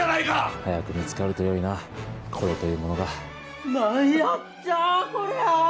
早く見つかるとよいなコレというものが何やっちゃあこりゃ！